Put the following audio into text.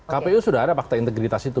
kpu sudah ada fakta integritas itu